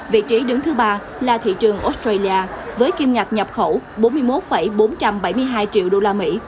vị trí đứng thứ ba là thị trường australia với kiêm ngặt nhập khẩu bốn mươi một bốn trăm bảy mươi hai triệu đô la mỹ